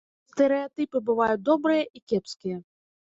Бо стэрэатыпы бываюць добрыя і кепскія.